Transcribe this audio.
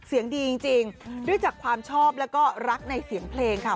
เสียงดีจริงด้วยจากความชอบแล้วก็รักในเสียงเพลงค่ะ